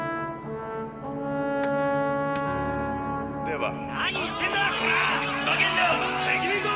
「では」。